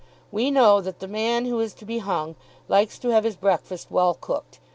We know that the man who is to be hung likes to have his breakfast well cooked.